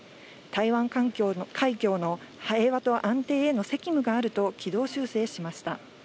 台湾海峡の平和と安定への責務があると軌道修正しました。